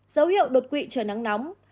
dấu hiệu đột quỵ trời nắng nóng